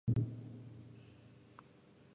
九歳で反抗期